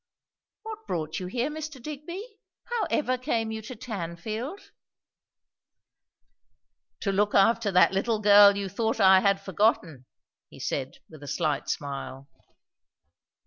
"What brought you here, Mr. Digby? How ever came you to Tanfield?" "To look after that little girl you thought I had forgotten," he said with a slight smile.